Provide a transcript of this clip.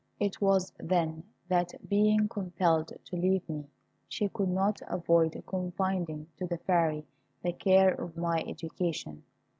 It was then that, being compelled to leave me, she could not avoid confiding to the Fairy the care of my education.